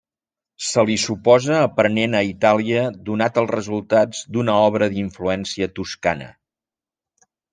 Se li suposa aprenent a Itàlia donat els resultats d'una obra d'influència toscana.